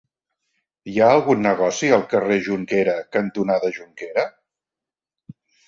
Hi ha algun negoci al carrer Jonquera cantonada Jonquera?